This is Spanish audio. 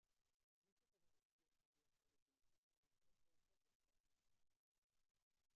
Dicha tecnología podría ser utilizada en aeropuertos y en eventos especiales.